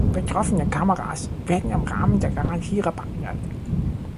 Betroffene Kameras werden im Rahmen der Garantie repariert.